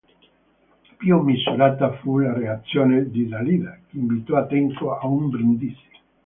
Più misurata fu la reazione di Dalida, che invitò Tenco a un brindisi.